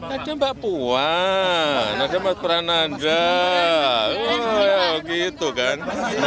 ada mbak puan ada mas prananda oh gitu kan